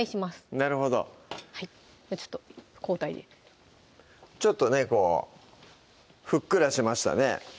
なるほどちょっと交代でちょっとねこうふっくらしましたね